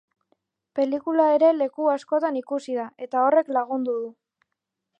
Pelikula ere leku askotan ikusi da, eta horrek lagundu du.